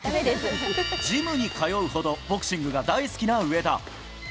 ジムに通うほど、ボクシングが大好きな上田。